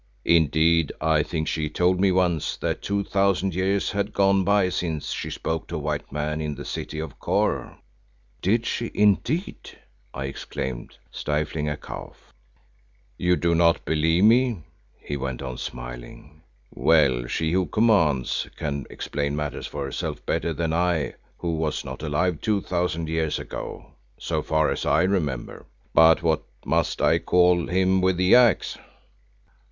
Indeed, I think she told me once that two thousand years had gone by since she spoke to a white man in the City of Kôr." "Did she indeed?" I exclaimed, stifling a cough. "You do not believe me," he went on, smiling. "Well, She who commands can explain matters for herself better than I who was not alive two thousand years ago, so far as I remember. But what must I call him with the Axe?"